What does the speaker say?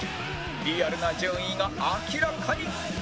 リアルな順位が明らかに！